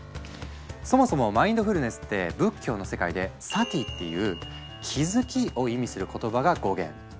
そもそも「マインドフルネス」って仏教の世界で「Ｓａｔｉ」っていう「気づき」を意味する言葉が語源。